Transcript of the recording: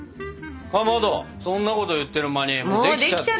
かまどそんなこと言ってる間にもうできちゃったよ。